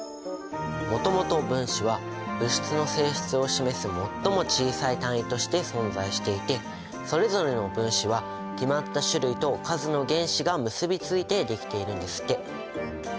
もともと分子は物質の性質を示す最も小さい単位として存在していてそれぞれの分子は決まった種類と数の原子が結びついてできているんですって。